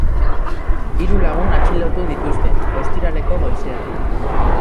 Hiru lagun atxilotu dituzte, ostiraleko goizean.